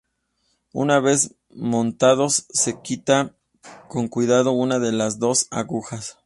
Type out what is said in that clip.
Una vez montados, se quita, con cuidado, una de las dos agujas.